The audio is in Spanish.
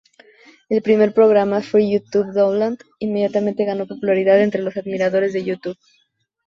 El primer programa Free Youtube Download inmediatamente ganó popularidad entre los admiradores de Youtube.